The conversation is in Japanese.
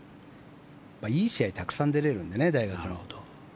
いい試合にたくさん出れるんでね大学に行くと。